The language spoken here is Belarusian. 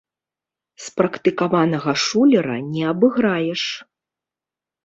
Спрактыкаванага шулера не абыграеш.